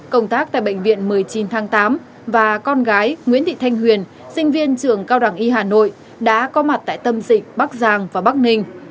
công tác tại bệnh viện một mươi chín tháng tám và con gái nguyễn thị thanh huyền sinh viên trường cao đẳng y hà nội đã có mặt tại tâm dịch bắc giang và bắc ninh